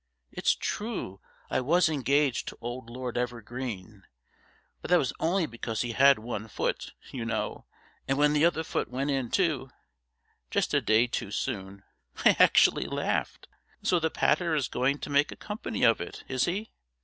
It's true I was engaged to old Lord Evergreen, but that was only because he had one foot you know and when the other foot went in too, just a day too soon, I actually laughed. So the pater is going to make a company of it, is he?